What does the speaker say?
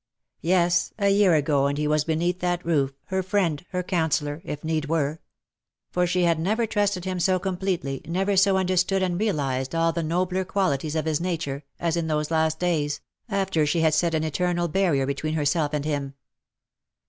Yes^ a year ago and he was beneath that roof, her friend, her counsellor, if need were ; for she had never trusted him so completely, never so understood and realized all the nobler qualities of his nature, as in those last days, after she had set an eternal barrier between herself and him.